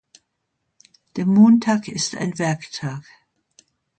Der Montag ist ein Werktag.